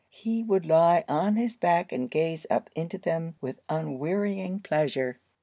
He would lie on his back and gaze up into them with unwearying pleasure.